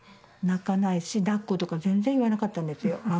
泣かないし、だっことか、全然言わなかったんですよ。